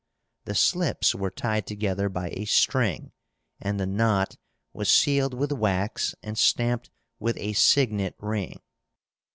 The slips were tied together by a string, and the knot was sealed with wax and stamped with a signet ring.